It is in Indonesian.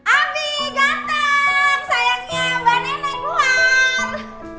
abi ganteng sayangnya mbak neneng keluar